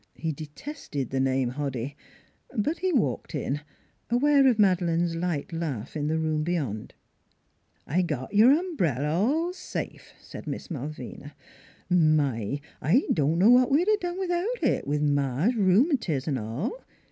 He detested the name Hoddy; but he walked in, aware of Madeleine's light laugh in the room beyond. " I got your ombrel' all safe," said Miss 288 NEIGHBORS Malvina. " My ! I don' know what we'd a done without it, with Ma's r'eumatiz an' all.